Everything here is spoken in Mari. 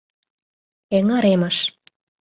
— Эҥыремыш...